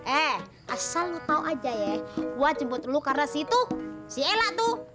eh asal lu tau aja ya gua jemput lu karena si itu si ella tuh